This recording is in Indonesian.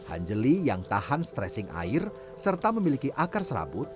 angeli yang tahan stressing air serta memiliki akar serabut